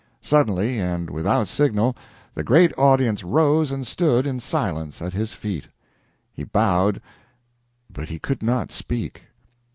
Suddenly and without signal the great audience rose and stood in silence at his feet. He bowed but he could not speak.